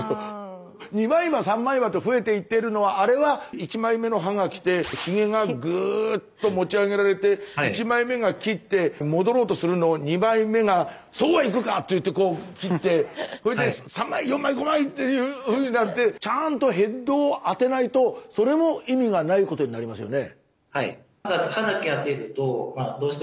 ２枚刃３枚刃と増えていっているのはあれは１枚目の刃が来てひげがグーッと持ち上げられて１枚目が切って戻ろうとするのを２枚目が「そうはいくか！」ってこう切って３枚４枚５枚！っていうふうになってちゃんとヘッドを当てないとそれも意味がないことになりますよね。